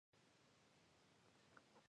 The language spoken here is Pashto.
د علم Acquisition د زمانې تقاضا ده.